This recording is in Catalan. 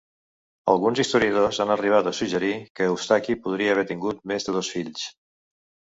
Alguns historiadors han arribat a suggerir que Eustaqui podria haver tingut més de dos fills.